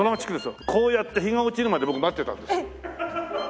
こうやって日が落ちるまで僕待ってたんです。